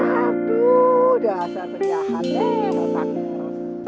aduh dasar jahat deh